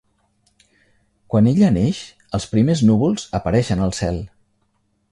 Quan ella neix, els primers núvols apareixen al cel.